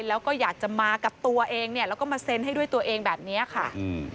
แล้วก็อยากจะมากับตัวเองเนี่ยแล้วก็มาเซ็นให้ด้วยตัวเองแบบเนี้ยค่ะอืม